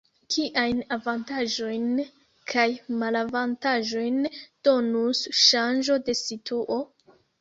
Kiajn avantaĝojn kaj malavantaĝojn donus ŝanĝo de situo?